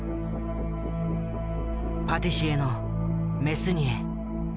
パティシエのメスニエ。